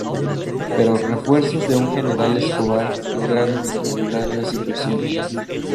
Pero refuerzos de un general Escobar lograron equilibrar la situación.